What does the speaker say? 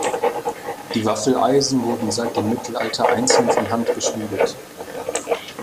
Die Waffeleisen wurden seit dem Mittelalter einzeln von Hand geschmiedet.